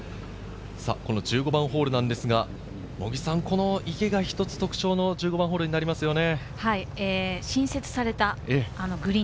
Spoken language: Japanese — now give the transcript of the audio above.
１５番ホールなんですが、この池が一つ特徴の１５番ホールになりますね。